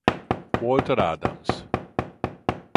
Walter Adams